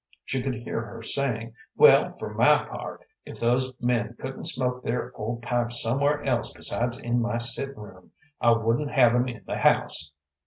She could hear her saying, "Well, for my part, if those men couldn't smoke their old pipes somewhere else besides in my sittin' room, I wouldn't have 'em in the house."